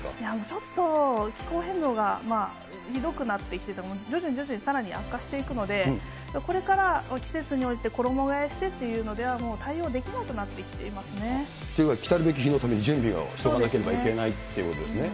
ちょっと気候変動がひどくなってきてて、徐々に徐々にさらに悪化していくので、これから季節に応じて衣替えしてっていうのでは、もう対応できなくなってきてということは、来るべき日のために準備をしとかなければいけないということですね。